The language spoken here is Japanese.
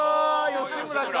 吉村か。